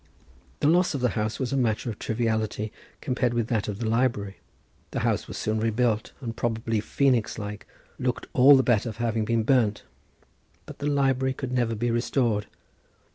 The loss of the house was a matter of triviality compared with that of the library. The house was soon rebuilt, and probably, phœnix like, looked all the better for having been burnt, but the library could never be restored.